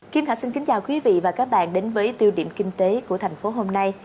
kim thạch xin kính chào quý vị và các bạn đến với tiêu điểm kinh tế của thành phố hôm nay